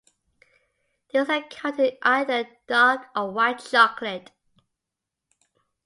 These are coated in either dark or white chocolate.